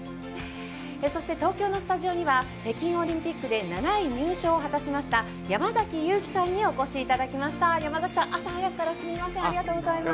そして東京のスタジオには北京オリンピックで７位入賞を果たしました山崎勇喜さんにお越しいただきました。